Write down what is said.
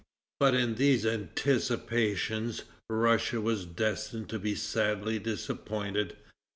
But in these anticipations, Russia was destined to be sadly disappointed.